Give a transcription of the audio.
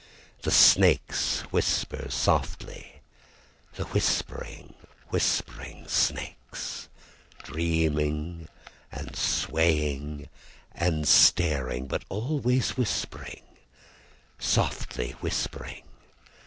The snakes whisper softly; The whispering, whispering snakes, Dreaming and swaying and staring, But always whispering, softly whispering.